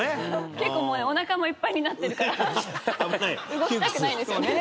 結構おなかもいっぱいになってるから動きたくないんですよね。